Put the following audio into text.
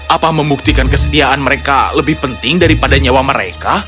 apa membuktikan kesetiaan mereka lebih penting daripada nyawa mereka